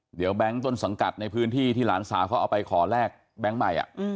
เดี๋ยวแบงค์ต้นสังกัดในพื้นที่ที่หลานสาวเขาเอาไปขอแลกแบงค์ใหม่